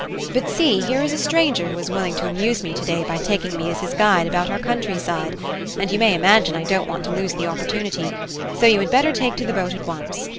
But see, here is a stranger who is willing to amuse me to day by taking me as his guide about our country side, and you may imagine I don't want to lose the opportunity; so you had better take to the boat at once.